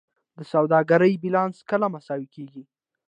د سوداګرۍ بیلانس کله مساوي کیږي؟